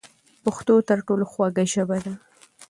پښتو تر ټولو خوږه ژبه ده.